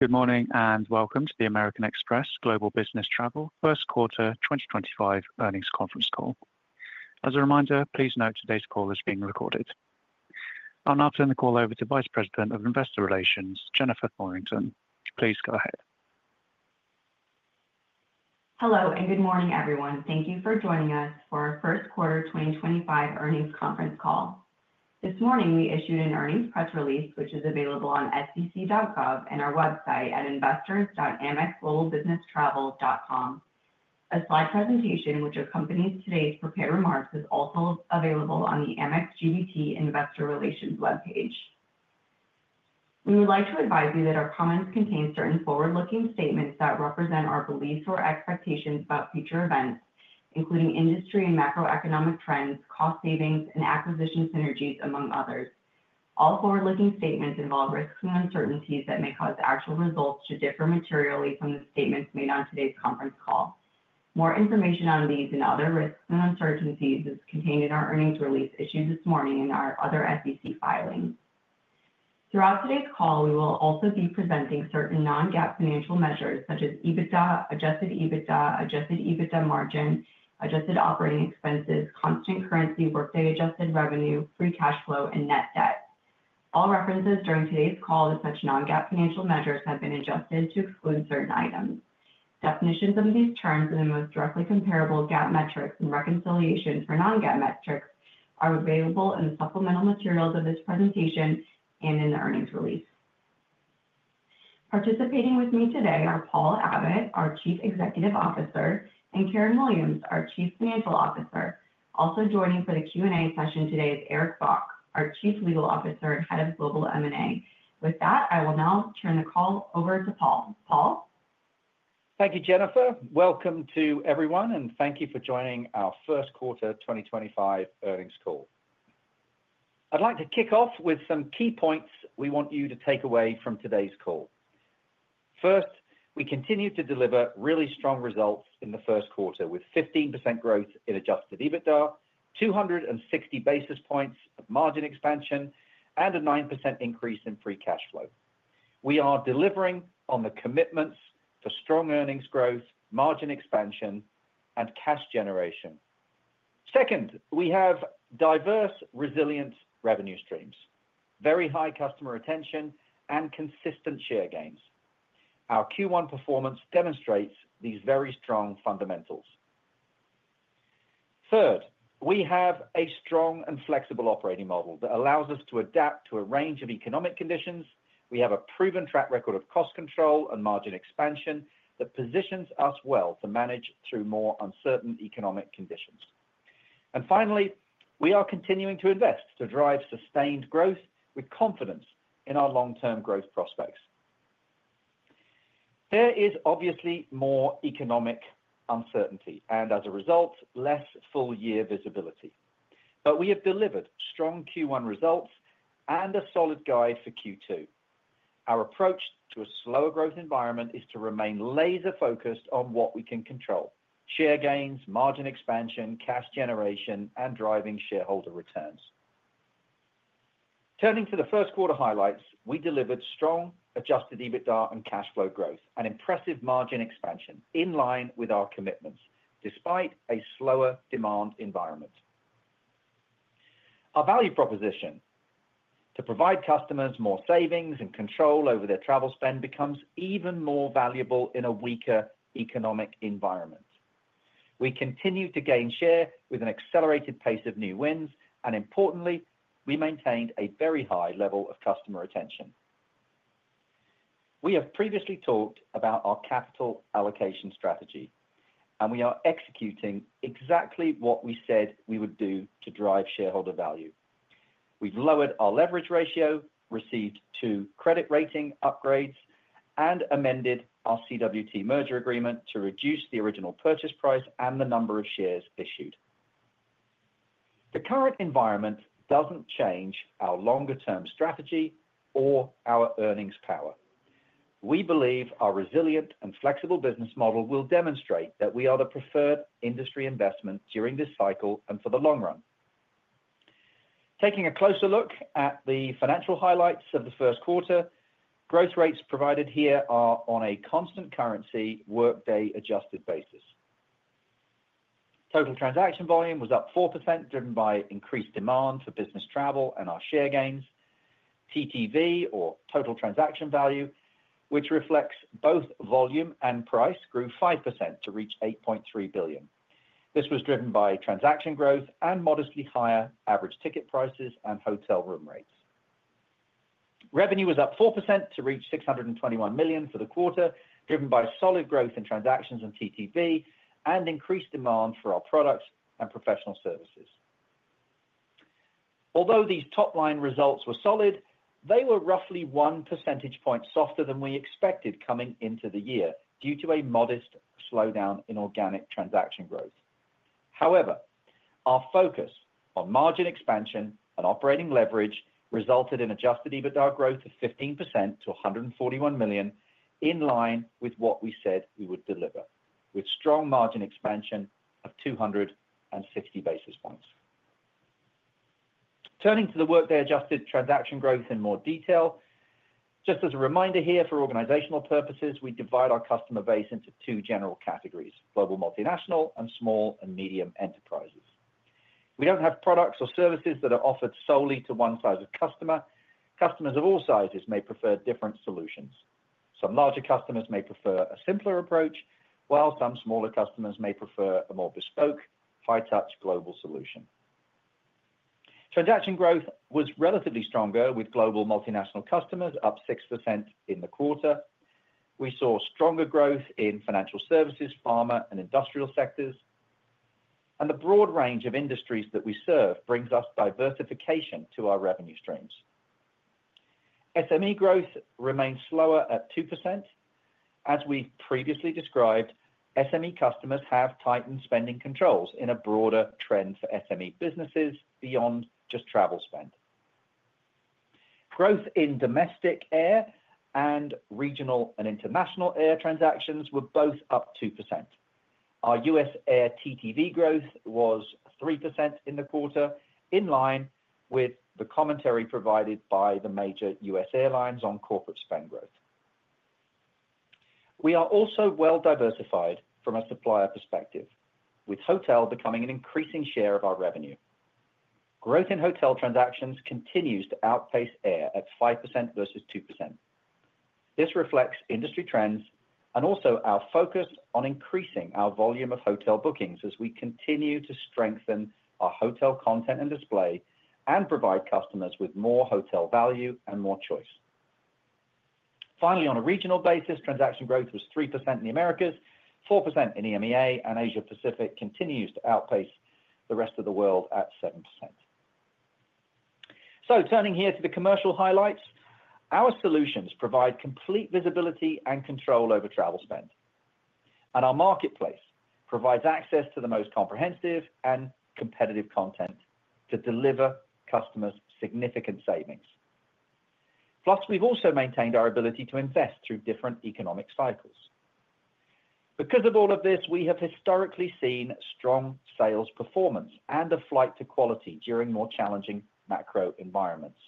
Good morning and welcome to the American Express Global Business Travel First Quarter 2025 Earnings Conference Call. As a reminder, please note today's call is being recorded. I'll now turn the call over to Vice President of Investor Relations, Jennifer Thorington. Please go ahead. Hello and good morning, everyone. Thank you for joining us for our First Quarter 2025 Earnings Conference Call. This morning, we issued an earnings press release, which is available on SEC.gov and our website at investors.amexglobalbusinesstravel.com. A slide presentation, which accompanies today's prepared remarks, is also available on the Amex GBT Investor Relations webpage. We would like to advise you that our comments contain certain forward-looking statements that represent our beliefs or expectations about future events, including industry and macroeconomic trends, cost savings, and acquisition synergies, among others. All forward-looking statements involve risks and uncertainties that may cause actual results to differ materially from the statements made on today's conference call. More information on these and other risks and uncertainties is contained in our earnings release issued this morning and our other SEC filings. Throughout today's call, we will also be presenting certain non-GAAP financial measures, such as EBITDA, adjusted EBITDA, adjusted EBITDA margin, adjusted operating expenses, constant currency, workday adjusted revenue, free cash-flow, and net-debt. All references during today's call to such non-GAAP financial measures have been adjusted to exclude certain items. Definitions of these terms and the most directly comparable GAAP metrics and reconciliation for non-GAAP metrics are available in the supplemental materials of this presentation and in the earnings release. Participating with me today are Paul Abbott, our Chief Executive Officer, and Karen Williams, our Chief Financial Officer. Also joining for the Q&A session today is Eric Bock, our Chief Legal Officer and Head of Global M&A. With that, I will now turn the call over to Paul. Paul? Thank you, Jennifer. Welcome to everyone, and thank you for joining our First Quarter 2025 Earnings Call. I'd like to kick off with some key points we want you to take away from today's call. First, we continue to deliver really strong results in the first quarter, with 15% growth in adjusted EBITDA, 260 basis points of margin expansion, and a 9% increase in free cash-flow. We are delivering on the commitments for strong earnings growth, margin expansion, and cash generation. Second, we have diverse, resilient revenue streams, very high customer retention, and consistent share gains. Our Q1 performance demonstrates these very strong fundamentals. Third, we have a strong and flexible operating model that allows us to adapt to a range of economic conditions. We have a proven track record of cost control and margin expansion that positions us well to manage through more uncertain economic conditions. Finally, we are continuing to invest to drive sustained growth with confidence in our long-term growth prospects. There is obviously more economic uncertainty and, as a result, less full-year visibility. We have delivered strong Q1 results and a solid guide for Q2. Our approach to a slower growth environment is to remain laser-focused on what we can control: share gains, margin expansion, cash generation, and driving shareholder returns. Turning to the first-quarter highlights, we delivered strong adjusted EBITDA and cash-flow growth and impressive margin expansion in line with our commitments, despite a slower demand environment. Our value proposition to provide customers more savings and control over their travel spend becomes even more valuable in a weaker economic environment. We continue to gain share with an accelerated pace of new-wins, and importantly, we maintained a very high level of customer retention. We have previously talked about our capital allocation strategy, and we are executing exactly what we said we would do to drive shareholder value. We've lowered our leverage-ratio, received two credit rating upgrades, and amended our CWT merger agreement to reduce the original purchase price and the number of shares issued. The current environment doesn't change our longer-term strategy or our earnings power. We believe our resilient and flexible business model will demonstrate that we are the preferred industry investment during this cycle and for the long-run. Taking a closer look at the financial highlights of the first quarter, growth rates provided here are on a constant currency workday adjusted basis. Total transaction volume was up 4%, driven by increased demand for business travel and our share gains. TTV, or total transaction value, which reflects both volume and price, grew 5% to reach $8.3 billion. This was driven by transaction growth and modestly higher average ticket prices and hotel room rates. Revenue was up 4% to reach $621 million for the quarter, driven by solid growth in transactions and TTV and increased demand for our products and professional services. Although these top-line results were solid, they were roughly one percentage point softer than we expected coming into the year due to a modest slowdown in organic transaction growth. However, our focus on margin expansion and operating leverage resulted in adjusted EBITDA growth of 15% to $141 million in-line with what we said we would deliver, with strong margin expansion of 260 basis points. Turning to the workday adjusted transaction growth in more detail, just as a reminder here for organizational purposes, we divide our customer base into two general categories: global multinational and small and medium enterprises. We don't have products or services that are offered solely to one size of customer. Customers of all sizes may prefer different solutions. Some larger customers may prefer a simpler approach, while some smaller customers may prefer a more bespoke, high-touch global solution. Transaction growth was relatively stronger with global multinational customers, up 6% in the quarter. We saw stronger growth in financial services, pharma, and industrial sectors. The broad range of industries that we serve brings us diversification to our revenue streams. SME growth remains slower at 2%. As we previously described, SME customers have tightened spending controls in a broader trend for SME businesses beyond just travel spend. Growth in domestic air and regional and international air transactions were both up 2%. Our U.S. air TTV growth was 3% in the quarter, in line with the commentary provided by the major U.S. airlines on corporate spend growth. We are also well diversified from a supplier perspective, with hotel becoming an increasing share of our revenue. Growth in hotel transactions continues to outpace air at 5% versus 2%. This reflects industry trends and also our focus on increasing our volume of hotel bookings as we continue to strengthen our hotel content and display and provide customers with more hotel-value and more choice. Finally, on a regional basis, transaction growth was 3% in the Americas, 4% in EMEA, and Asia-Pacific continues to outpace the rest of the world at 7%. Turning here to the commercial highlights, our solutions provide complete visibility and control over travel spend, and our marketplace provides access to the most comprehensive and competitive content to deliver customers significant savings. Plus, we've also maintained our ability to invest through different economic cycles. Because of all of this, we have historically seen strong sales performance and a flight-to-quality during more challenging macro environments.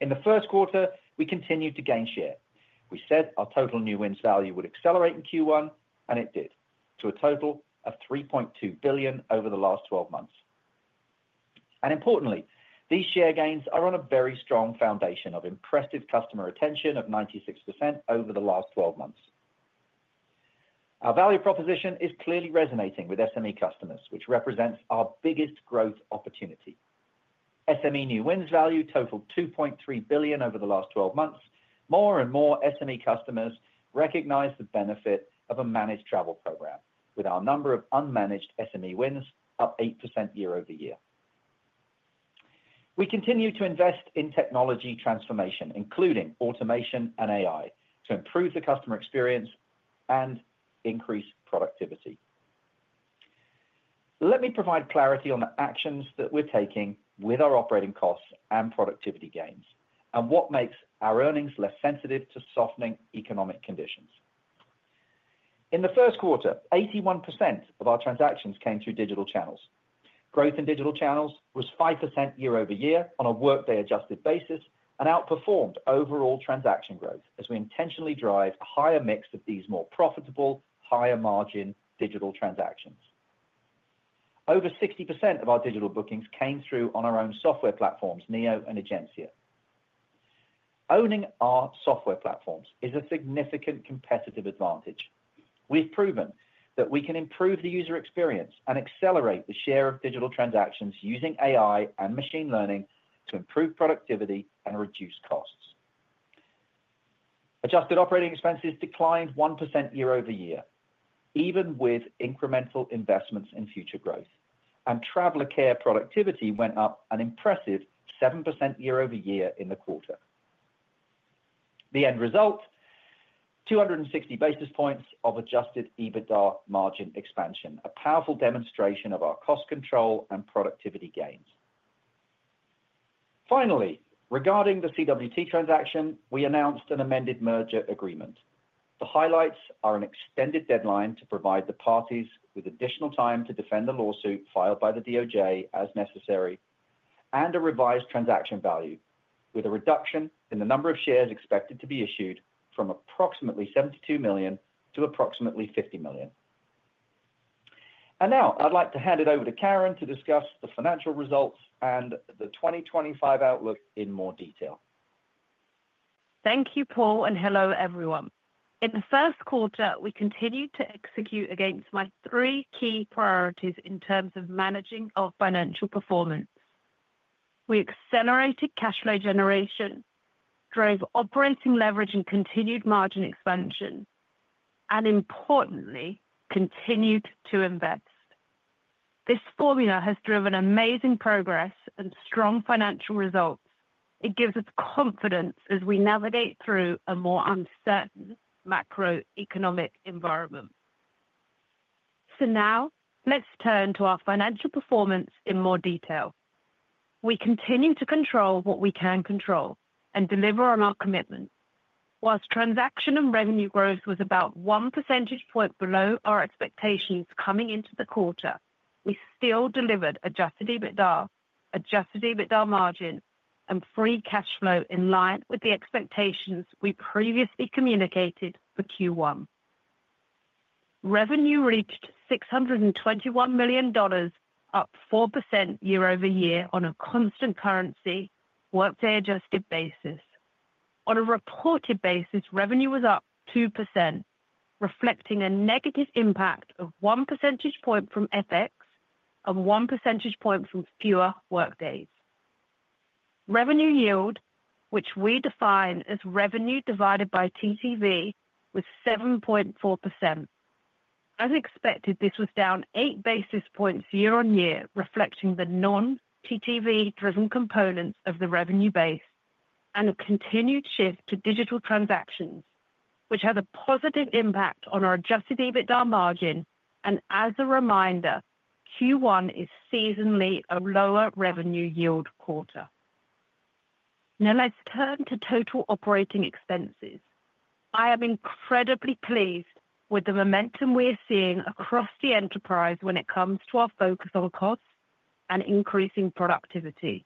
In the first-quarter, we continued to gain share. We said our total new-wins value would accelerate in Q1, and it did, to a total of $3.2 billion over the last 12 months. Importantly, these share-gains are on a very strong foundation of impressive customer retention of 96% over the last 12 months. Our value proposition is clearly resonating with SME customers, which represents our biggest growth opportunity. SME new wins value totaled $2.3 billion over the last 12 months. More and more SME customers recognize the benefit of a managed travel program, with our number of unmanaged SME wins up 8% year-over-year. We continue to invest in technology transformation, including automation and AI, to improve the customer experience and increase productivity. Let me provide clarity on the actions that we're taking with our operating costs and productivity gains and what makes our earnings less sensitive to softening economic conditions. In the first-quarter, 81% of our transactions came through digital channels. Growth in digital channels was 5% year-over-year on a workday adjusted basis and outperformed overall transaction growth as we intentionally drive a higher mix of these more profitable, higher margin digital transactions. Over 60% of our digital bookings came through on our own software platforms, Neo and Agentia. Owning our software platforms is a significant competitive advantage. We've proven that we can improve the user experience and accelerate the share of digital transactions using AI and machine learning to improve productivity and reduce costs. Adjusted operating expenses declined 1% year-over-year, even with incremental investments in future growth, and traveler care productivity went up an impressive 7% year-over-year in the quarter. The end result: 260 basis points of adjusted EBITDA margin expansion, a powerful demonstration of our cost control and productivity gains. Finally, regarding the CWT transaction, we announced an amended merger agreement. The highlights are an extended deadline to provide the parties with additional time to defend the lawsuit filed by the DOJ as necessary and a revised transaction value, with a reduction in the number of shares expected to be issued from approximately 72 million to approximately 50 million. Now I'd like to hand it over to Karen to discuss the financial results and the 2025 outlook in more detail. Thank you, Paul, and hello, everyone. In the first-quarter, we continued to execute against my three key priorities in terms of managing our financial performance. We accelerated cash-flow generation, drove operating leverage, and continued margin expansion, and importantly, continued to invest. This formula has driven amazing progress and strong financial results. It gives us confidence as we navigate through a more uncertain macroeconomic environment. Now let's turn to our financial performance in more detail. We continue to control what we can control and deliver on our commitments. Whilst transaction and revenue growth was about one percentage point below our expectations coming into the quarter, we still delivered adjusted EBITDA, adjusted EBITDA margin, and free cash-flow in line with the expectations we previously communicated for Q1. Revenue reached $621 million, up 4% year-ove- year on a constant currency workday adjusted-basis. On a reported-basis, revenue was up 2%, reflecting a negative impact of one percentage point from FX, a one percentage point from fewer workdays. Revenue yield, which we define as revenue divided by TTV, was 7.4%. As expected, this was down 8 basis points year-on-year, reflecting the non-TTV-driven components of the revenue base and a continued shift to digital transactions, which had a positive impact on our adjusted EBITDA margin. As a reminder, Q1 is seasonally a lower revenue yield quarter. Now let's turn to total operating expenses. I am incredibly pleased with the momentum we are seeing across the enterprise when it comes to our focus on costs and increasing productivity.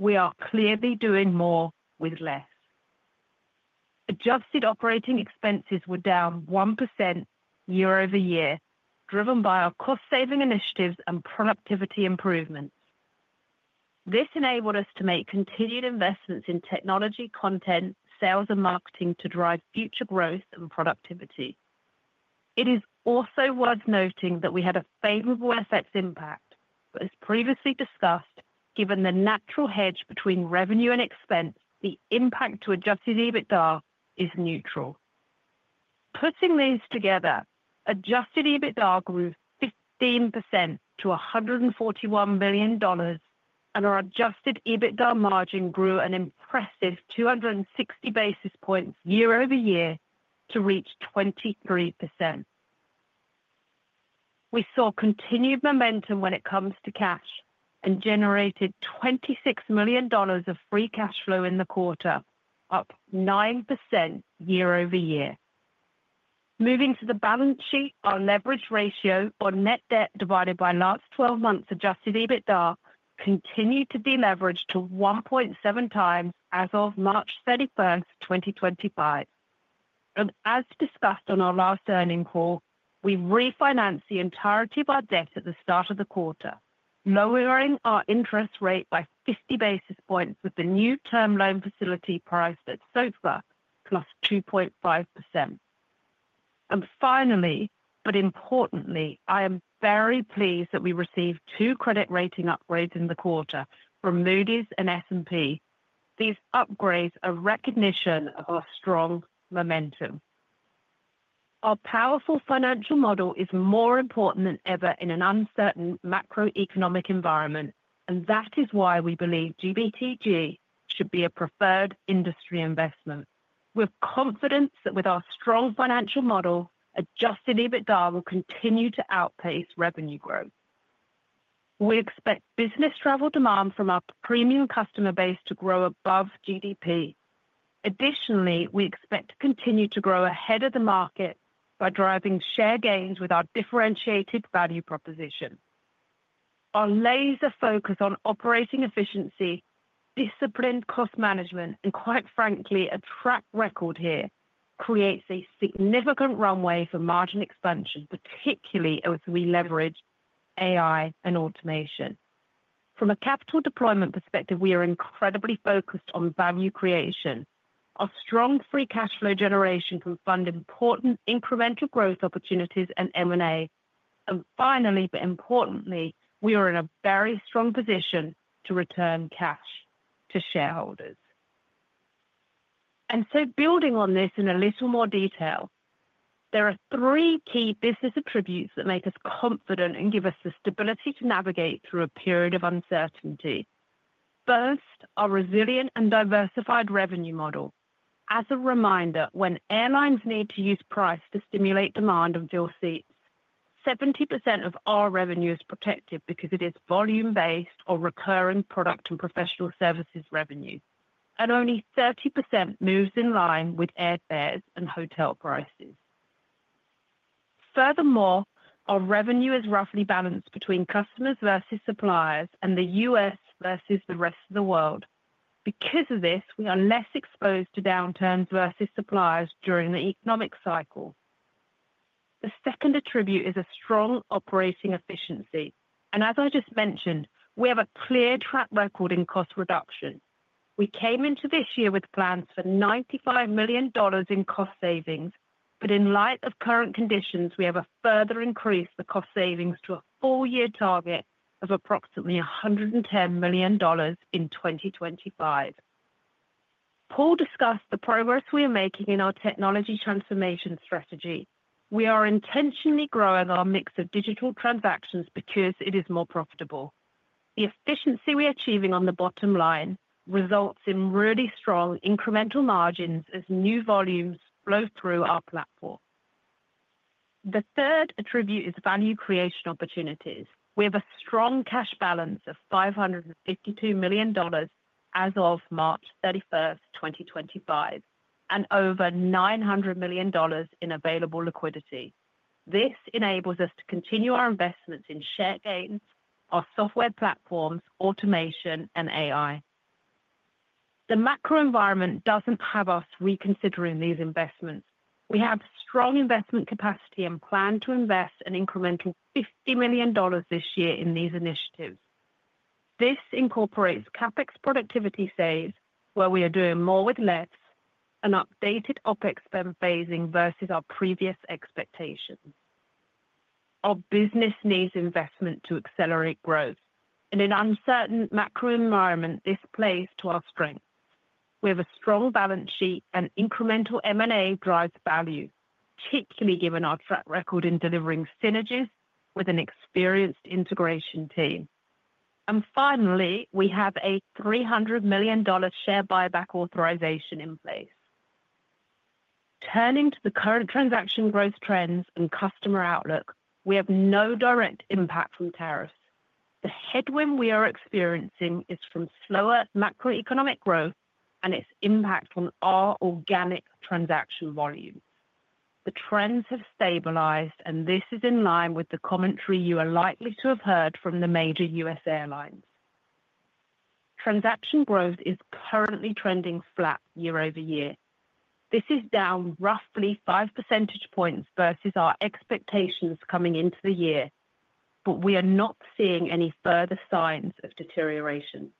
We are clearly doing more with less. Adjusted operating expenses were down 1% year-over-year, driven by our cost-saving initiatives and productivity improvements. This enabled us to make continued investments in technology, content, sales, and marketing to drive future growth and productivity. It is also worth noting that we had a favorable FX impact, but as previously discussed, given the natural hedge between revenue and expense, the impact to adjusted EBITDA is neutral. Putting these together, adjusted EBITDA grew 15% to $141 million, and our adjusted EBITDA margin grew an impressive 260 basis points year-over-year to reach 23%. We saw continued momentum when it comes to cash and generated $26 million of free cash-flow in the quarter, up 9% year-over-year. Moving to the balance sheet, our leverage-ratio on net-debt divided by last 12 months adjusted EBITDA continued to deleverage to 1.7x as of March 31st, 2025. As discussed on our last earnings call, we refinanced the entirety of our debt at the start of the quarter, lowering our interest rate by 50 basis points with the new term loan facility priced at SOFR +2.5%. Finally, but importantly, I am very pleased that we received two credit rating upgrades in the quarter from Moody's and S&P Global. These upgrades are recognition of our strong momentum. Our powerful financial model is more important than ever in an uncertain macroeconomic environment, and that is why we believe GBTG should be a preferred industry investment. We are confident that with our strong financial model, adjusted EBITDA will continue to outpace revenue growth. We expect business travel demand from our premium customer base to grow above GDP. Additionally, we expect to continue to grow ahead of the market by driving share gains with our differentiated value proposition. Our laser focus on operating efficiency, disciplined cost management, and quite frankly, a track record here creates a significant runway for margin expansion, particularly as we leverage AI and automation. From a capital deployment perspective, we are incredibly focused on value creation. Our strong free cash-flow generation can fund important incremental growth opportunities and M&A. Finally, but importantly, we are in a very strong position to return cash to shareholders. Building on this in a little more detail, there are three key business attributes that make us confident and give us the stability to navigate through a period of uncertainty. First, our resilient and diversified revenue model. As a reminder, when airlines need to use price to stimulate demand and fill seats, 70% of our revenue is protected because it is volume-based or recurring product and professional services revenue, and only 30% moves in line with airfares and hotel prices. Furthermore, our revenue is roughly balanced between customers versus suppliers and the U.S. versus the rest of the world. Because of this, we are less exposed to downturns versus suppliers during the economic cycle. The second attribute is a strong operating efficiency. As I just mentioned, we have a clear track record in cost reduction. We came into this year with plans for $95 million in cost savings, but in light of current conditions, we have a further increase in the cost savings to a four-year target of approximately $110 million in 2025. Paul discussed the progress we are making in our technology transformation strategy. We are intentionally growing our mix of digital transactions because it is more profitable. The efficiency we are achieving on the bottom line results in really strong incremental margins as new volumes flow through our platform. The third attribute is value creation opportunities. We have a strong cash balance of $552 million as of March 31st, 2025, and over $900 million in available liquidity. This enables us to continue our investments in share gains, our software platforms, automation, and AI. The macro environment does not have us reconsidering these investments. We have strong investment capacity and plan to invest an incremental $50 million this year in these initiatives. This incorporates CapEx productivity saves, where we are doing more with less, an updated OpEx spend phasing versus our previous expectations. Our business needs investment to accelerate growth, and in an uncertain macro environment, this plays to our strengths. We have a strong balance sheet, and incremental M&A drives value, particularly given our track record in delivering synergies with an experienced integration team. Finally, we have a $300 million share buyback authorization in place. Turning to the current transaction growth trends and customer outlook, we have no direct impact from tariffs. The headwind we are experiencing is from slower macroeconomic growth and its impact on our organic transaction volumes. The trends have stabilized, and this is in line with the commentary you are likely to have heard from the major U.S. airlines. Transaction growth is currently trending flat year-over-year. This is down roughly five-percentage points versus our expectations coming into the year, but we are not seeing any further signs of deterioration.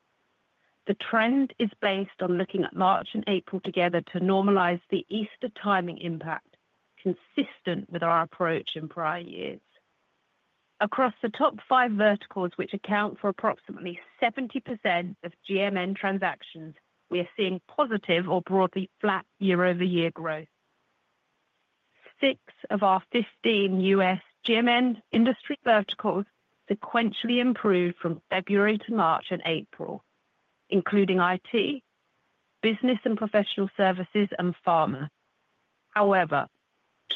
The trend is based on looking at March and April together to normalize the Easter timing impact, consistent with our approach in prior years. Across the top five verticals, which account for approximately 70% of GMN transactions, we are seeing positive or broadly flat year-over-year growth. Six of our 15 US GMN industry verticals sequentially improved from February to March and April, including IT, business and professional services, and pharma. However,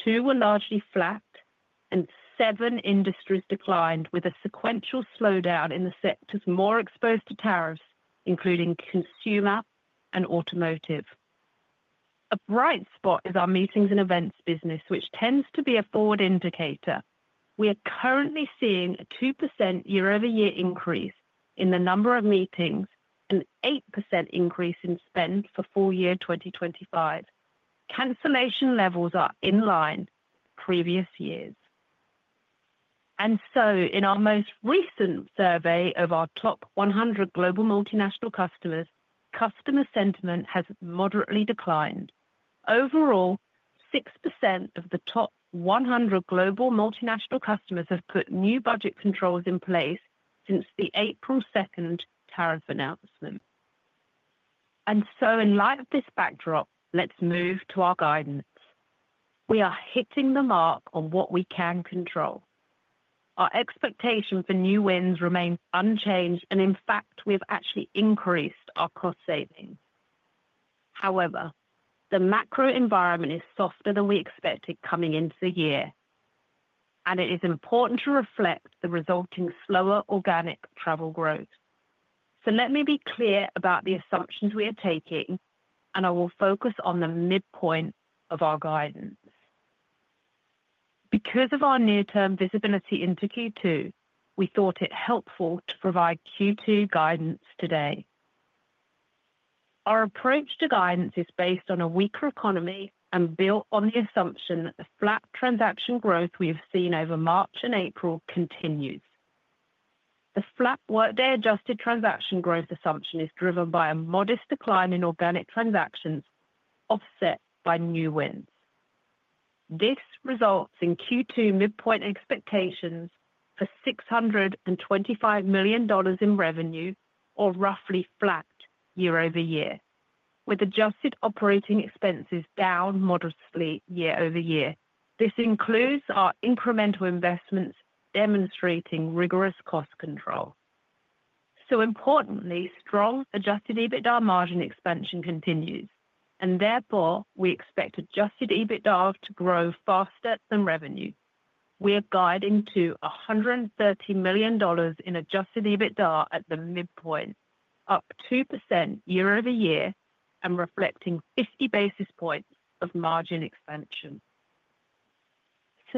two were largely flat, and seven industries declined with a sequential slowdown in the sectors more exposed to tariffs, including consumer and automotive. A bright spot is our meetings and events business, which tends to be a forward indicator. We are currently seeing a 2% year-over-year increase in the number of meetings and an 8% increase in spend for full year 2025. Cancellation levels are in line with previous years. In our most recent survey of our top 100 global multinational customers, customer sentiment has moderately declined. Overall, 6% of the top 100 global multinational customers have put new budget controls in place since the April 2nd tariff announcement. In light of this backdrop, let's move to our guidance. We are hitting the mark on what we can control. Our expectation for new wins remains unchanged, and in fact, we have actually increased our cost savings. However, the macro environment is softer than we expected coming into the year, and it is important to reflect the resulting slower organic travel growth. Let me be clear about the assumptions we are taking, and I will focus on the midpoint of our guidance. Because of our near-term visibility into Q2, we thought it helpful to provide Q2 guidance today. Our approach to guidance is based on a weaker economy and built on the assumption that the flat transaction growth we have seen over March and April continues. The flat workday adjusted transaction growth assumption is driven by a modest decline in organic transactions offset by new wins. This results in Q2 midpoint expectations for $625 million in revenue, or roughly flat year-over-year, with adjusted operating expenses down modestly year-over-year. This includes our incremental investments demonstrating rigorous cost control. Importantly, strong adjusted EBITDA margin expansion continues, and therefore we expect adjusted EBITDA to grow faster than revenue. We are guiding to $130 million in adjusted EBITDA at the midpoint, up 2% year-over-year and reflecting 50 basis points of margin expansion.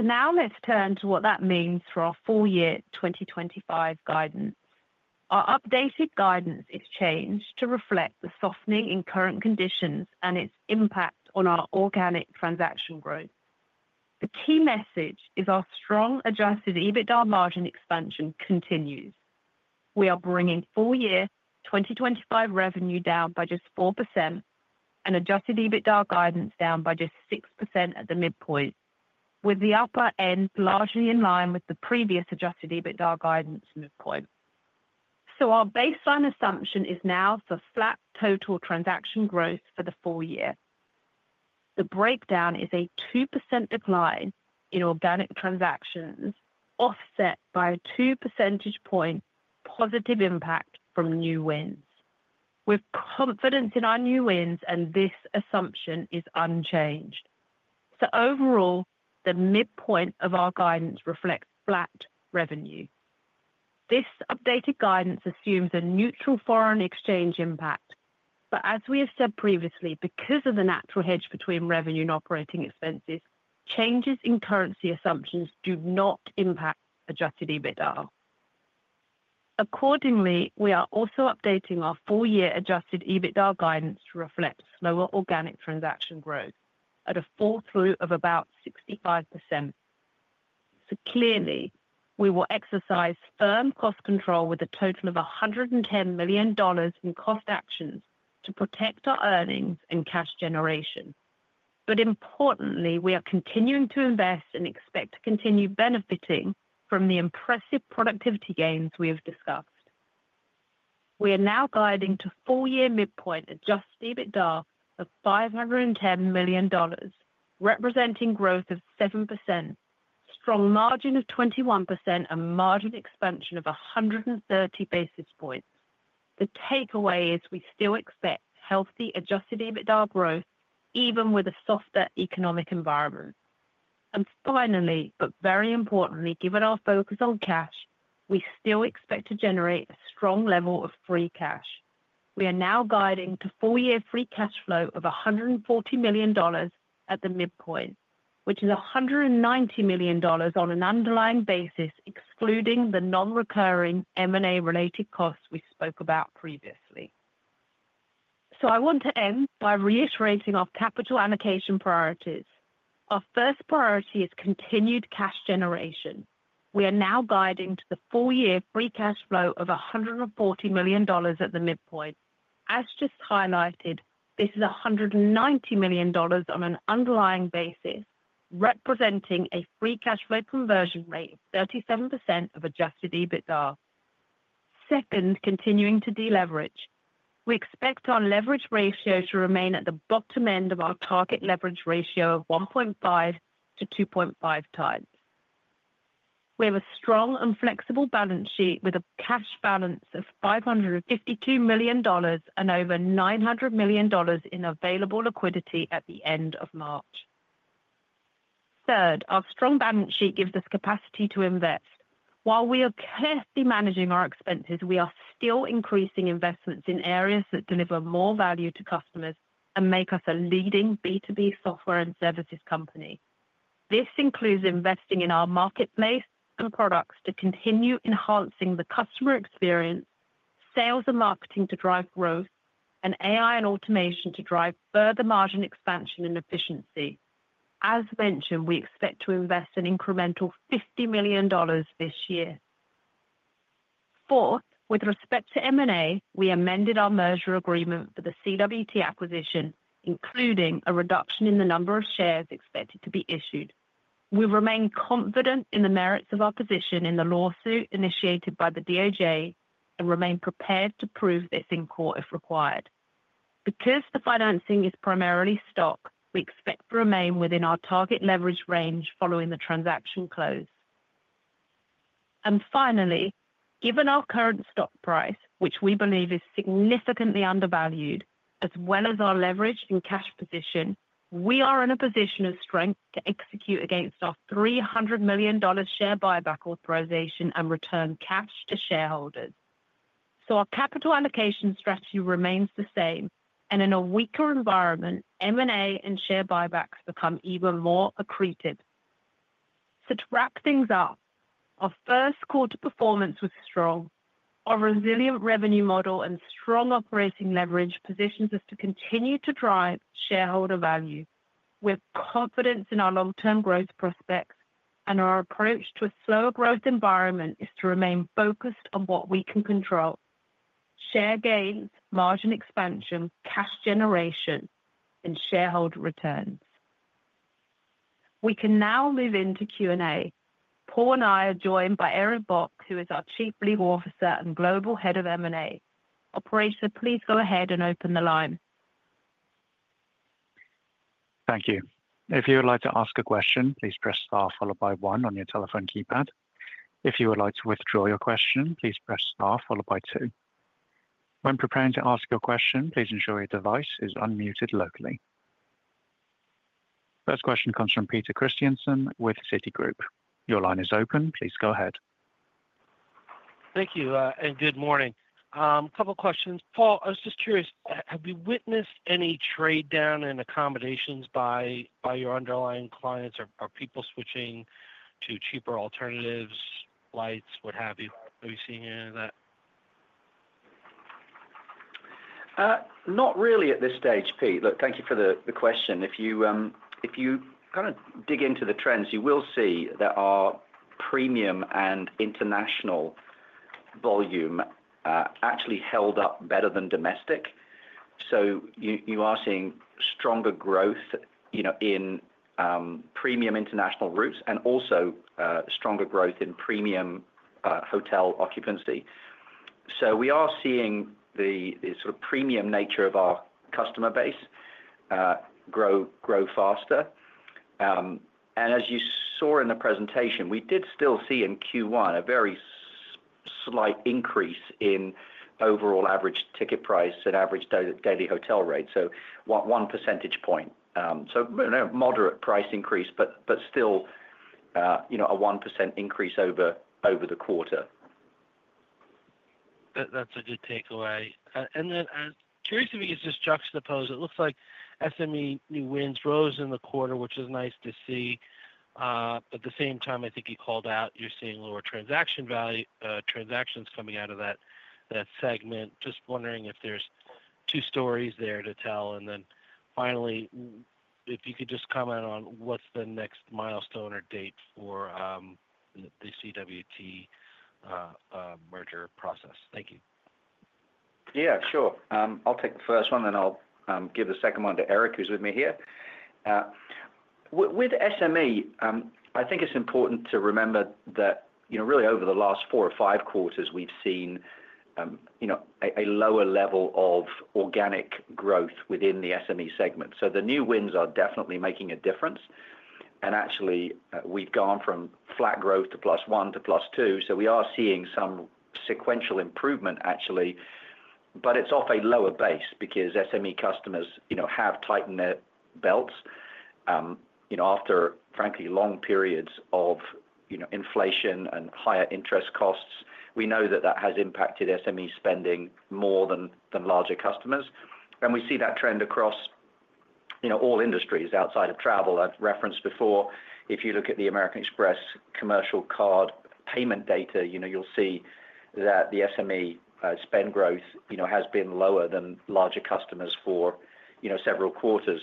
Now let's turn to what that means for our full year 2025 guidance. Our updated guidance is changed to reflect the softening in current conditions and its impact on our organic transaction growth. The key message is our strong adjusted EBITDA margin expansion continues. We are bringing full year 2025 revenue down by just 4% and adjusted EBITDA guidance down by just 6% at the midpoint, with the upper end largely in line with the previous adjusted EBITDA guidance midpoint. Our baseline assumption is now for flat total transaction growth for the full year. The breakdown is a 2% decline in organic transactions offset by a two-percentage point positive impact from new-wins. We're confident in our new-wins, and this assumption is unchanged. Overall, the midpoint of our guidance reflects flat revenue. This updated guidance assumes a neutral foreign exchange impact, but as we have said previously, because of the natural hedge between revenue and operating expenses, changes in currency assumptions do not impact adjusted EBITDA. Accordingly, we are also updating our full year adjusted EBITDA guidance to reflect slower organic transaction growth at a full through of about 65%. Clearly, we will exercise firm cost control with a total of $110 million in cost actions to protect our earnings and cash generation. Importantly, we are continuing to invest and expect to continue benefiting from the impressive productivity gains we have discussed. We are now guiding to full year midpoint adjusted EBITDA of $510 million, representing growth of 7%, strong margin of 21%, and margin expansion of 130 basis points. The takeaway is we still expect healthy adjusted EBITDA growth even with a softer economic environment. Finally, but very importantly, given our focus on cash, we still expect to generate a strong level of free cash. We are now guiding to full year free cash-flow of $140 million at the midpoint, which is $190 million on an underlying basis, excluding the non-recurring M&A-related costs we spoke about previously. I want to end by reiterating our capital allocation priorities. Our first priority is continued cash generation. We are now guiding to the full year free cash-flow of $140 million at the midpoint. As just highlighted, this is $190 million on an underlying basis, representing a free cash-flow conversion rate of 37% of adjusted EBITDA. Second, continuing to deleverage. We expect our leverage ratio to remain at the bottom end of our target leverage-ratio of 1.5x-2.5x. We have a strong and flexible balance sheet with a cash balance of $552 million and over $900 million in available liquidity at the end of March. Third, our strong balance sheet gives us capacity to invest. While we are carefully managing our expenses, we are still increasing investments in areas that deliver more value to customers and make us a leading B2B software and services company. This includes investing in our marketplace and products to continue enhancing the customer experience, sales and marketing to drive growth, and AI and automation to drive further margin expansion and efficiency. As mentioned, we expect to invest an incremental $50 million this year. Fourth, with respect to M&A, we amended our merger agreement for the CWT acquisition, including a reduction in the number of shares expected to be issued. We remain confident in the merits of our position in the lawsuit initiated by the DOJ and remain prepared to prove this in court if required. Because the financing is primarily stock, we expect to remain within our target leverage range following the transaction close. Finally, given our current stock price, which we believe is significantly undervalued, as well as our leverage and cash position, we are in a position of strength to execute against our $300 million share buyback authorization and return cash to shareholders. Our capital allocation strategy remains the same, and in a weaker environment, M&A and share buybacks become even more accretive. To wrap things up, our first-quarter performance was strong. Our resilient revenue model and strong operating leverage positions us to continue to drive shareholder value. We have confidence in our long-term growth prospects, and our approach to a slower growth environment is to remain focused on what we can control: share gains, margin expansion, cash generation, and shareholder returns. We can now move into Q&A. Paul and I are joined by Eric Bock, who is our Chief Legal Officer and Global Head of M&A. Operator, please go ahead and open the line. Thank you. If you would like to ask a question, please press star followed by one on your telephone keypad. If you would like to withdraw your question, please press star followed by two. When preparing to ask your question, please ensure your device is unmuted locally. First question comes from Peter Christiansen with Citigroup. Your line is open. Please go ahead. Thank you and good morning. A couple of questions. Paul, I was just curious, have you witnessed any trade down in accommodations by your underlying clients? Are people switching to cheaper alternatives, lights, what have you? Have you seen any of that? Not really at this stage, Pete. Look, thank you for the question. If you kind of dig into the trends, you will see that our premium and international volume actually held up better than domestic. You are seeing stronger growth in premium international routes and also stronger growth in premium hotel occupancy. We are seeing the sort of premium nature of our customer base grow faster. As you saw in the presentation, we did still see in Q1 a very slight increase in overall average ticket price and average daily hotel rate. One percentage point. A moderate price increase, but still a 1% increase over the quarter. That is a good takeaway. I'm curious if you could just juxtapose. It looks like SME new-wins rose in the quarter, which is nice to see. At the same time, I think you called out you're seeing lower transaction value transactions coming out of that segment. Just wondering if there's two stories there to tell. Finally, if you could just comment on what's the next milestone or date for the CWT merger process. Thank you. Yeah, sure. I'll take the first one, and I'll give the second one to Eric, who's with me here. With SME, I think it's important to remember that really over the last four or five quarters, we've seen a lower level of organic growth within the SME segment. The new-wins are definitely making a difference. Actually, we've gone from flat growth to +1 to+2. We are seeing some sequential improvement, actually, but it's off a lower base because SME customers have tightened their belts after, frankly, long periods of inflation and higher interest costs. We know that that has impacted SME spending more than larger customers. We see that trend across all industries outside of travel. I've referenced before, if you look at the American Express commercial card payment data, you'll see that the SME spend growth has been lower than larger customers for several quarters.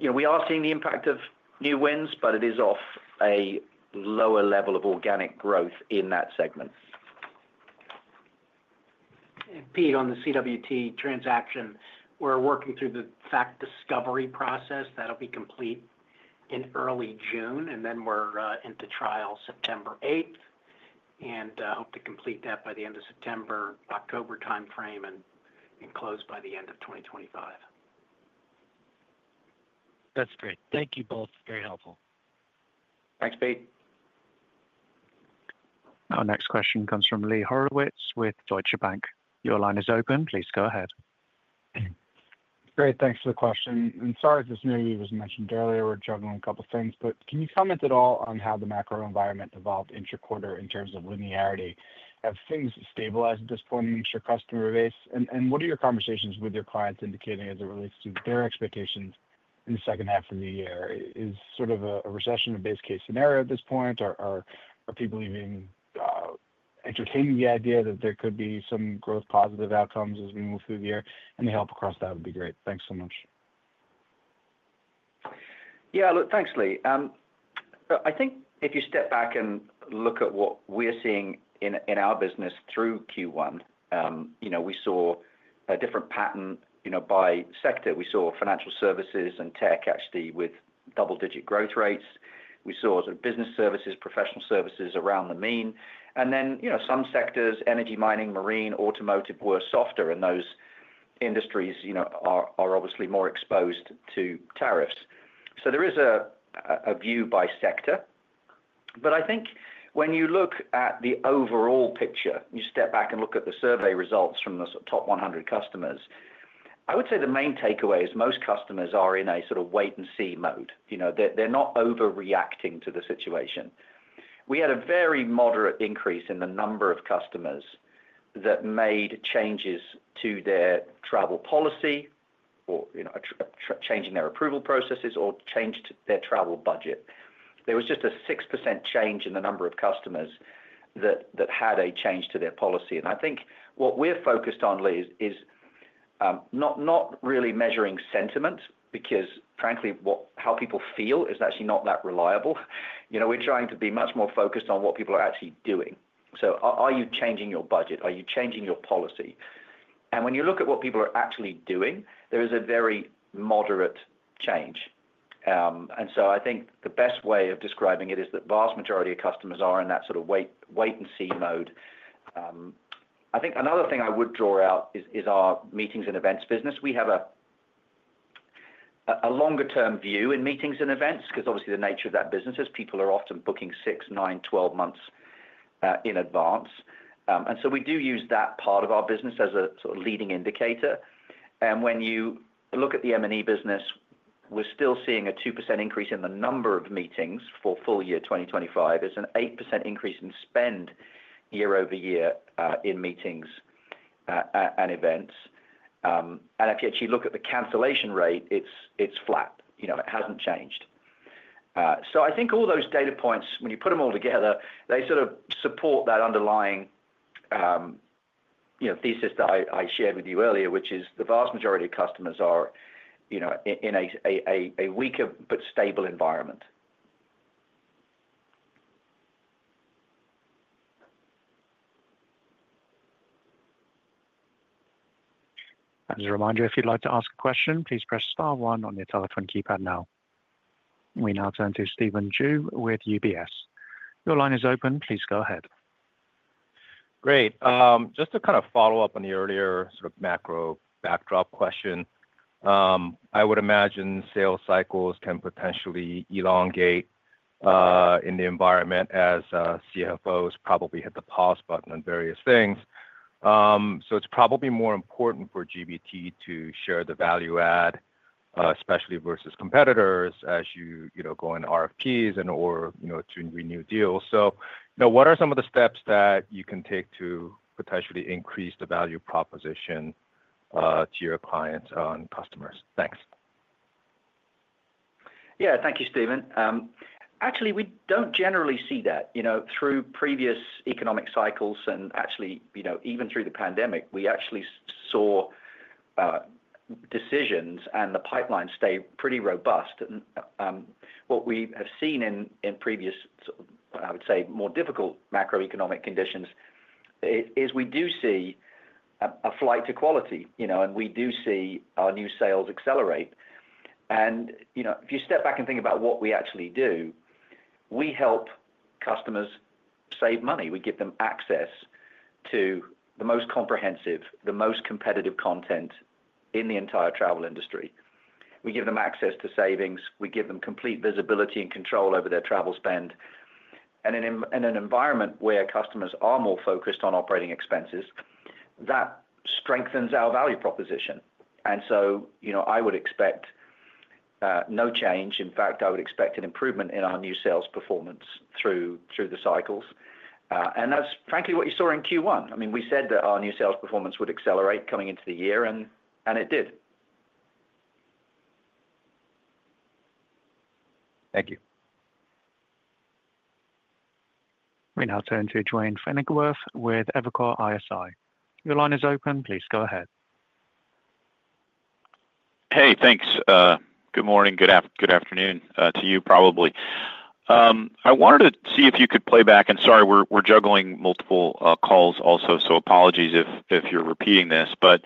We are seeing the impact of new wins, but it is off a lower level of organic growth in that segment. Pete, on the CWT transaction, we're working through the fact discovery process. That'll be complete in early June, and then we're into trial September 8th, and hope to complete that by the end of September, October timeframe, and close by the end of 2025. That's great. Thank you both. Very helpful. Thanks, Pete. Our next question comes from Lee Horowitz with Deutsche Bank. Your line is open. Please go ahead. Great. Thanks for the question. Sorry, this maybe wasn't mentioned earlier. We're juggling a couple of things, but can you comment at all on how the macro environment evolved intra-quarter in terms of linearity? Have things stabilized at this point in your customer base? What are your conversations with your clients indicating as it relates to their expectations in the second half of the year? Is sort of a recession a base case scenario at this point? Are people entertaining the idea that there could be some growth positive outcomes as we move through the year? Any help across that would be great? Thanks so much. Yeah, look, thanks, Lee. I think if you step back and look at what we're seeing in our business through Q1, we saw a different pattern by sector. We saw financial services and tech actually with double-digit growth rates. We saw sort of business services, professional services around the mean. Some sectors, energy, mining, marine, automotive were softer, and those industries are obviously more exposed to tariffs. There is a view by sector. I think when you look at the overall picture, you step back and look at the survey results from the top 100 customers, I would say the main takeaway is most customers are in a sort of wait-and-see mode. They're not overreacting to the situation. We had a very moderate increase in the number of customers that made changes to their travel policy or changing their approval processes or changed their travel budget. There was just a 6% change in the number of customers that had a change to their policy. I think what we're focused on, Lee, is not really measuring sentiment because, frankly, how people feel is actually not that reliable. We're trying to be much more focused on what people are actually doing. Are you changing your budget? Are you changing your policy? When you look at what people are actually doing, there is a very moderate change. I think the best way of describing it is that the vast majority of customers are in that sort of wait-and-see mode. I think another thing I would draw out is our meetings and events business. We have a longer-term view in meetings and events because obviously the nature of that business is people are often booking 6, 9, 12 months in advance. We do use that part of our business as a sort of leading indicator. When you look at the M&E business, we're still seeing a 2% increase in the number of meetings for full year 2025. It's an 8% increase in spend year-over-year in meetings and events. If you actually look at the cancellation rate, it's flat. It hasn't changed. I think all those data points, when you put them all together, they sort of support that underlying thesis that I shared with you earlier, which is the vast majority of customers are in a weaker but stable environment. As a reminder, if you'd like to ask a question, please press star one on your telephone keypad now. We now turn to Stephen Ju with UBS. Your line is open. Please go ahead. Great. Just to kind of follow up on the earlier sort of macro backdrop question, I would imagine sales cycles can potentially elongate in the environment as CFOs probably hit the pause button on various things. It's probably more important for GBT to share the value-add, especially versus competitors as you go into RFPs and/or to renew deals. What are some of the steps that you can take to potentially increase the value proposition to your clients and customers? Thanks. Yeah, thank you, Stephen. Actually, we don't generally see that. Through previous economic cycles and actually even through the pandemic, we actually saw decisions and the pipeline stay pretty robust. What we have seen in previous, I would say, more difficult macroeconomic conditions is we do see a flight to quality, and we do see our new sales accelerate. If you step back and think about what we actually do, we help customers save money. We give them access to the most comprehensive, the most competitive content in the entire travel industry. We give them access to savings. We give them complete visibility and control over their travel spend. In an environment where customers are more focused on operating expenses, that strengthens our value proposition. I would expect no change. In fact, I would expect an improvement in our new sales performance through the cycles. That's, frankly, what you saw in Q1. I mean, we said that our new sales performance would accelerate coming into the year, and it did. Thank you. We now turn to Duane Pfennigwerth with Evercore ISI. Your line is open. Please go ahead. Hey, thanks. Good morning. Good afternoon to you, probably. I wanted to see if you could play back, and sorry, we're juggling multiple calls also, so apologies if you're repeating this, but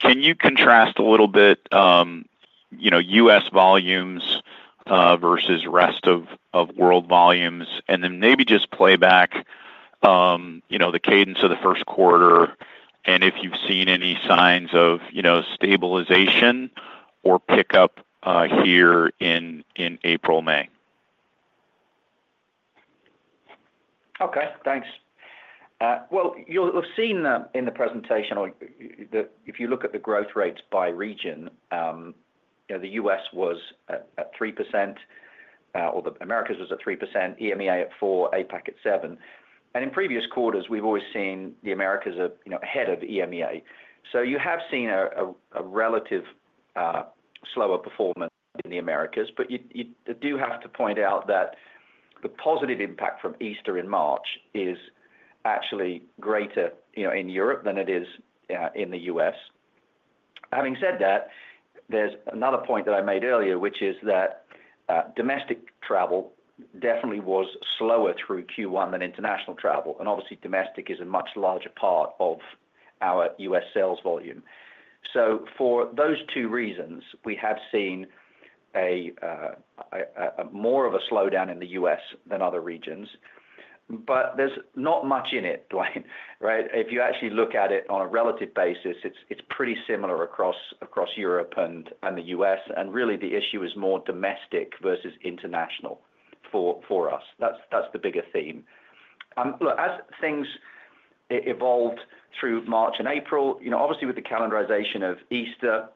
can you contrast a little bit US volumes versus rest of world volumes, and then maybe just play back the cadence of the first quarter and if you've seen any signs of stabilization or pickup here in April, May? Okay. Thanks. You'll have seen in the presentation if you look at the growth rates by region, the US was at 3%, or the Americas was at 3%, EMEA at 4%, APAC at 7%. In previous quarters, we've always seen the Americas ahead of EMEA. You have seen a relative slower performance in the Americas, but you do have to point out that the positive impact from Easter in March is actually greater in Europe than it is in the U.S. Having said that, there's another point that I made earlier, which is that domestic travel definitely was slower through Q1 than international travel. And obviously, domestic is a much larger part of our U.S. sales volume. For those two reasons, we have seen more of a slowdown in the U.S. than other regions, but there's not much in it, Duane, right? If you actually look at it on a relative basis, it's pretty similar across Europe and the U.S. Really, the issue is more domestic versus international for us. That's the bigger theme. Look, as things evolved through March and April, obviously, with the calendarization of Easter,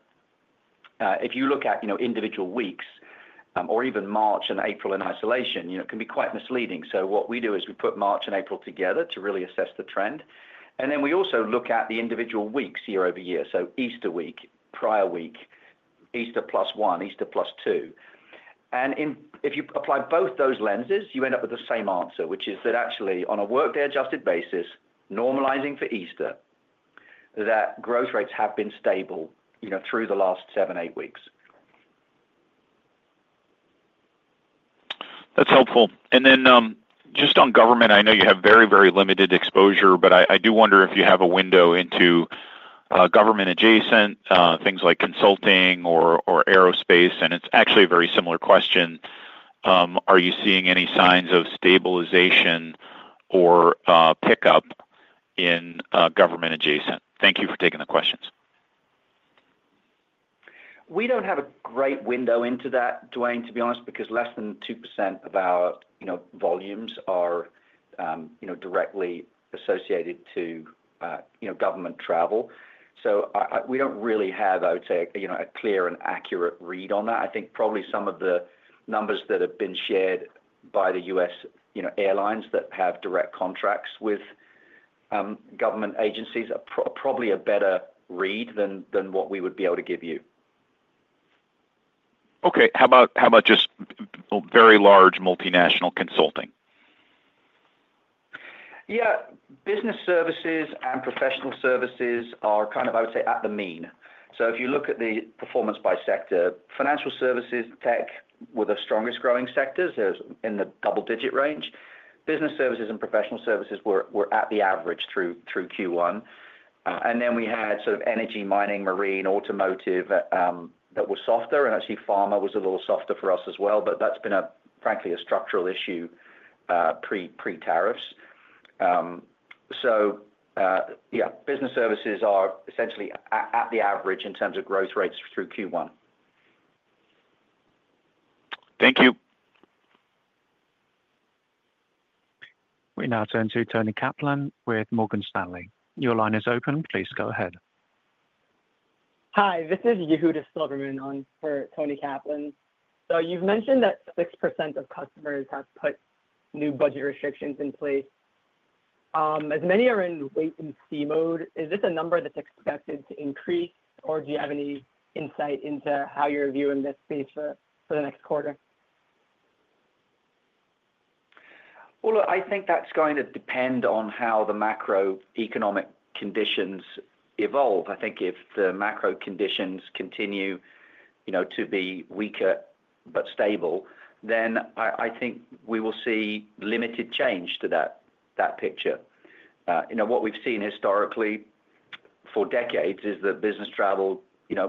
if you look at individual weeks or even March and April in isolation, it can be quite misleading. What we do is we put March and April together to really assess the trend. We also look at the individual weeks year over year. Easter week, prior week, Easter plus one, Easter plus two. If you apply both those lenses, you end up with the same answer, which is that actually, on a workday-adjusted basis, normalizing for Easter, growth rates have been stable through the last seven, eight weeks. That is helpful. Just on government, I know you have very, very limited exposure, but I do wonder if you have a window into government-adjacent things like consulting or aerospace. It is actually a very similar question. Are you seeing any signs of stabilization or pickup in government-adjacent? Thank you for taking the questions. We do not have a great window into that, Duane, to be honest, because less than 2% of our volumes are directly associated to government travel. So we do not really have, I would say, a clear and accurate read on that. I think probably some of the numbers that have been shared by the U.S. airlines that have direct contracts with government agencies are probably a better read than what we would be able to give you. Okay. How about just very large multinational consulting? Yeah. Business services and professional services are kind of, I would say, at the mean. If you look at the performance by sector, financial services, tech were the strongest growing sectors in the double-digit range. Business services and professional services were at the average through Q1. We had sort of energy, mining, marine, automotive that were softer, and actually, pharma was a little softer for us as well, but that's been, frankly, a structural issue pre-tariffs. Business services are essentially at the average in terms of growth rates through Q1. Thank you. We now turn to Tony Kaplan with Morgan Stanley. Your line is open. Please go ahead. Hi. This is Yehuda Silverman for Tony Kaplan. You've mentioned that 6% of customers have put new budget restrictions in place. As many are in wait-and-see mode, is this a number that's expected to increase, or do you have any insight into how you're viewing this space for the next quarter? I think that's going to depend on how the macroeconomic conditions evolve. I think if the macro conditions continue to be weaker but stable, then I think we will see limited change to that picture. What we have seen historically for decades is that business travel,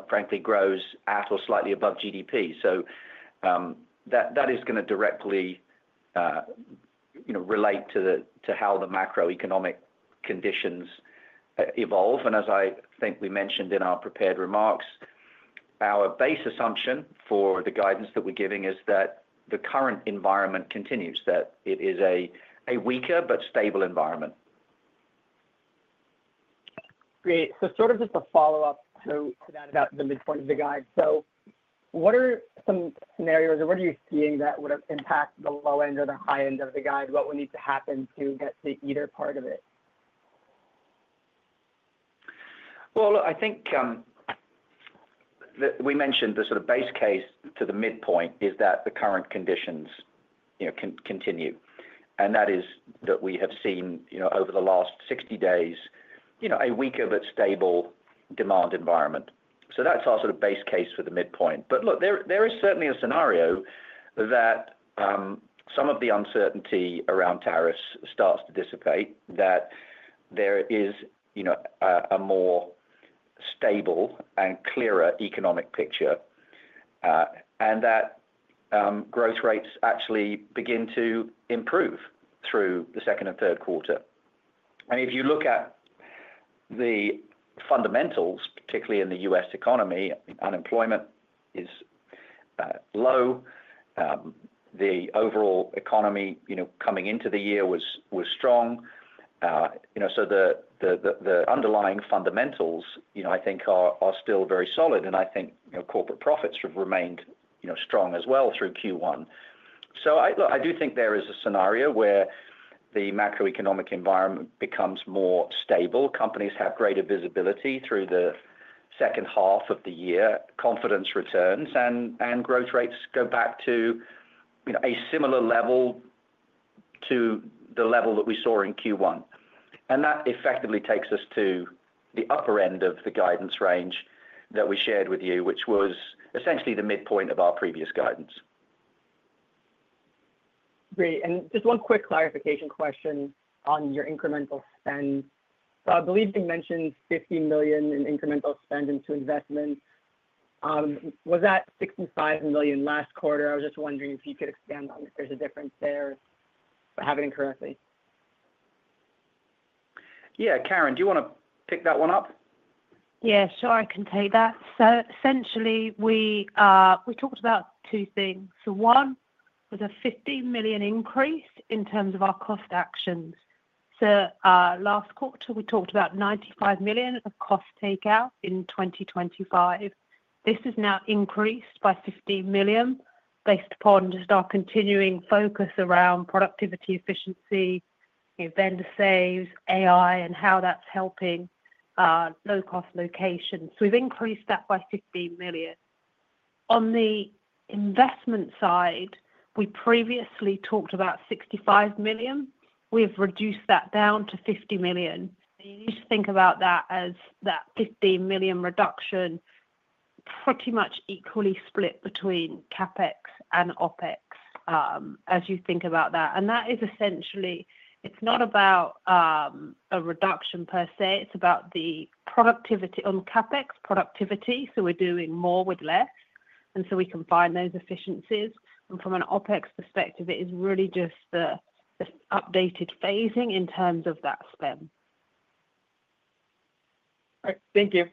frankly, grows at or slightly above GDP. That is going to directly relate to how the macroeconomic conditions evolve. As I think we mentioned in our prepared remarks, our base assumption for the guidance that we are giving is that the current environment continues, that it is a weaker but stable environment. Great. Sort of just a follow-up to that about the midpoint of the guide. What are some scenarios, or what are you seeing that would impact the low end or the high end of the guide? What would need to happen to get to either part of it? I think we mentioned the sort of base case to the midpoint is that the current conditions continue. That is that we have seen over the last 60 days a weaker but stable demand environment. That is our sort of base case for the midpoint. There is certainly a scenario that some of the uncertainty around tariffs starts to dissipate, that there is a more stable and clearer economic picture, and that growth rates actually begin to improve through the second and third quarter. If you look at the fundamentals, particularly in the U.S. economy, unemployment is low. The overall economy coming into the year was strong. The underlying fundamentals, I think, are still very solid. I think corporate profits have remained strong as well through Q1. I do think there is a scenario where the macroeconomic environment becomes more stable. Companies have greater visibility through the second half of the year. Confidence returns and growth rates go back to a similar level to the level that we saw in Q1. That effectively takes us to the upper end of the guidance range that we shared with you, which was essentially the midpoint of our previous guidance. Great. Just one quick clarification question on your incremental spend. I believe you mentioned $50 million in incremental spend into investment. Was that $65 million last quarter? I was just wondering if you could expand on if there's a difference there, if I have it incorrectly. Yeah. Karen, do you want to pick that one up? Yeah. Sure. I can take that. Essentially, we talked about two things. One was a $15 million increase in terms of our cost actions. Last quarter, we talked about $95 million of cost takeout in 2025. This has now increased by $15 million based upon just our continuing focus around productivity, efficiency, vendor saves, AI, and how that's helping low-cost locations. We've increased that by $15 million. On the investment side, we previously talked about $65 million. We've reduced that down to $50 million. You need to think about that as that $15 million reduction pretty much equally split between CapEx and OpEx as you think about that. That is essentially, it's not about a reduction per se. It's about the productivity on CapEx, productivity. We're doing more with less. We can find those efficiencies. From an OpEx perspective, it is really just the updated phasing in terms of that spend. All right. Thank you.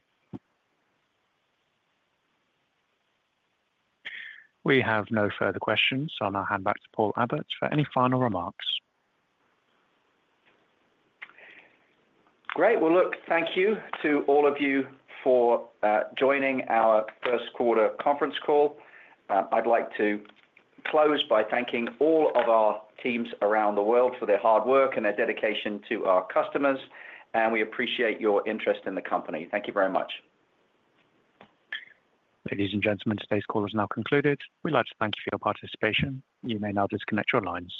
We have no further questions, so I'll now hand back to Paul Abbott for any final remarks. Great. Look, thank you to all of you for joining our first quarter conference call. I'd like to close by thanking all of our teams around the world for their hard work and their dedication to our customers. We appreciate your interest in the company. Thank you very much. Ladies and gentlemen, today's call is now concluded. We'd like to thank you for your participation. You may now disconnect your lines.